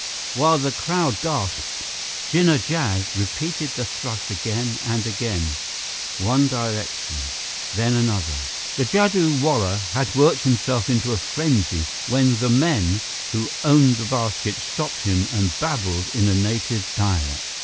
While the crowd gasped, Jinnah Jad repeated the thrust again and again, one direction, then another. The jadoo wallah had worked himself into a frenzy when the men who owned the basket stopped him and babbled in a native dialect.